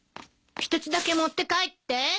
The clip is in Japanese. １つだけ持って帰って。